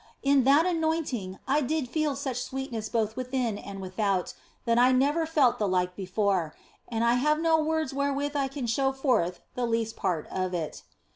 In that anointing I did feel such sweetness both within and without that I never felt the like before, and I have no words wherewith I can show forth the least part of it.